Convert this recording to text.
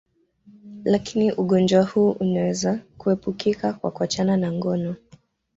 Lakini ugonjwa huu unaweza kuepukika kwa kuachana na ngono